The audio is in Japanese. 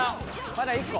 まだ１個。